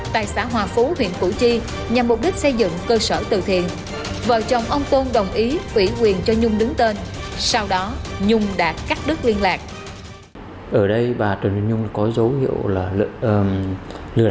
tại xã hòa phú huyện củ chi nhằm mục đích xây dựng cơ sở từ thiện